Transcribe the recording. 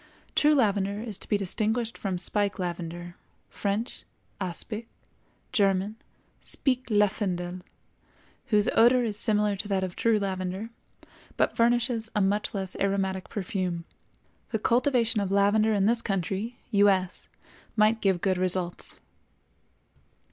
True lavender is to be distinguished from spike lavender (French, aspic; German, Spik Lavendel), whose odor is similar to that of true lavender, but furnishes a much less aromatic perfume. The cultivation of lavender in this country (U. S.) might give good results.